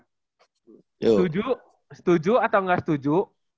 setuju setuju atau nggak setuju